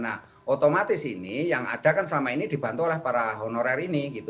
nah otomatis ini yang ada kan selama ini dibantu oleh para honorer ini gitu